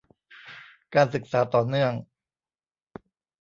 การศึกษาต่อเนื่อง